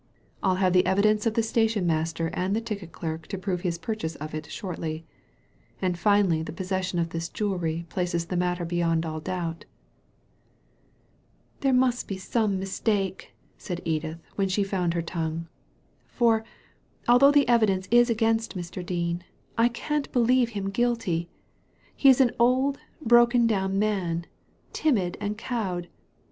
I'll have the evidence of the station master and the ticket clerk to prove his purchase of it shortly, and finally the possession of this jewellery places the matter beyond all doubt/' '' There must be some mistake/' said Edith, when she found her tongue, for, although the evidence is against Mr. Dean, I can't believe him guilty. He is an old, broken down man, timid and cowed.